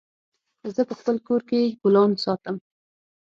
زه په خپل کور کي ګلان ساتم